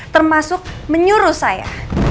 termasuk menyuruh saya